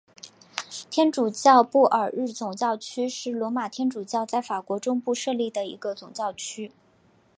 天主教布尔日总教区是罗马天主教在法国中部设立的一个总教区。